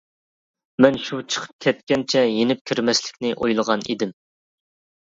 مەن شۇ چىقىپ كەتكەنچە يېنىپ كىرمەسلىكنى ئويلىغان ئىدىم.